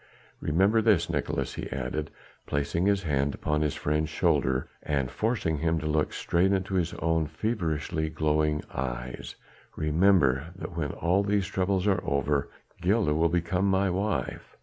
Remember this, Nicolaes," he added, placing his hand upon his friend's shoulder and forcing him to look straight into his own feverishly glowing eyes, "remember that, when all these troubles are over, Gilda will become my wife.